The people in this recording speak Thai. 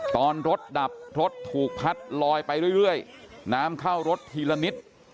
ตอนรถดับรถถูกพัดลอยไปเรื่อยน้ำเข้ารถทีละนิด